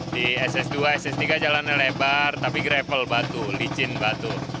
di ss dua ss tiga jalannya lebar tapi gravel batu licin batu